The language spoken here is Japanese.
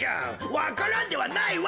わか蘭ではないわい！